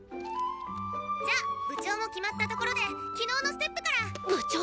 「じゃ部長も決まったところで昨日のステップから」。